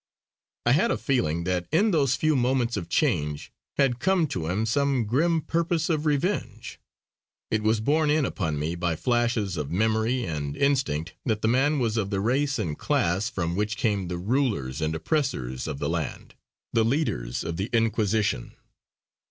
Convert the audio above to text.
I had a feeling that in those few moments of change had come to him some grim purpose of revenge. It was borne in upon me by flashes of memory and instinct that the man was of the race and class from which came the rulers and oppressors of the land, the leaders of the Inquisition.